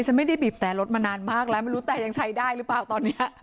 ฉันไม่ได้บีบแต่รถมานานมากแล้วไม่รู้แต่ยังใช้ได้หรือเปล่าตอนนี้